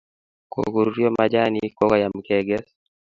Kokorurio machanik kokoyem keges